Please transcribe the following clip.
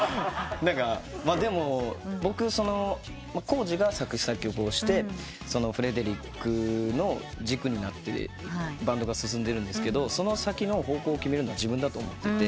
でも康司が作詞作曲をしてフレデリックの軸になってバンドが進んでるんですけどその先の方向を決めるのは自分だと思ってて。